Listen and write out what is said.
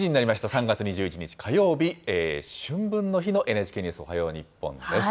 ３月２１日火曜日、春分の日のＮＨＫニュースおはよう日本です。